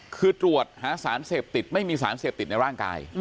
คือตรวจหาสารเสพติดไม่มีสารเสพติดในร่างกาย